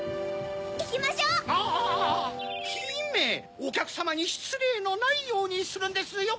おきゃくさまにしつれいのないようにするんですよ。